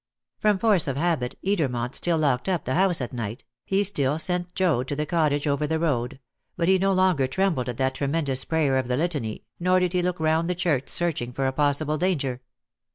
From force of habit Edermont still locked up the house at night; he still sent Joad to the cottage over the road; but he no longer trembled at that tremendous prayer of the Litany, nor did he look round the church searching for a possible danger.